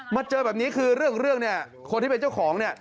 เจอแบบนี้คือเรื่องเนี่ยคนที่เป็นเจ้าของเนี่ย